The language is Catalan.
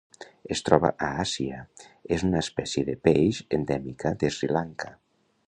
Es troba a Àsia: és una espècie de peix endèmica de Sri Lanka.